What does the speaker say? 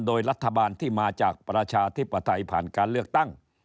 โดยรัฐบาลที่มาจากประชาธิปไตยผ่านการเลือกตั้ง